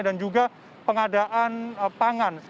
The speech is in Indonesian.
dan juga pengadaan pangan